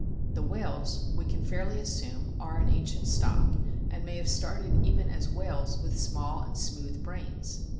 The whales, we can fairly assume, are an ancient stock, and may have started even as "whales" with small and smooth brains.